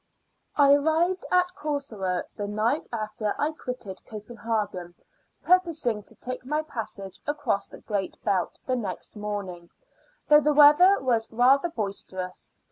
I arrived at Corsoer the night after I quitted Copenhagen, purposing to take my passage across the Great Belt the next morning, though the weather was rather boisterous.